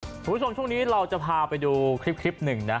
คุณผู้ชมช่วงนี้เราจะพาไปดูคลิปหนึ่งนะ